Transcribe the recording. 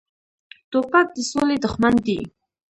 توپک د سولې دښمن دی.